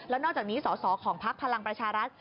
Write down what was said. แล้วนอกจากนี้สอสอของพักพลังประชารัฐ